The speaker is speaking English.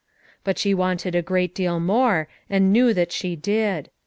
But she wanted a great deal more, and knew that she did.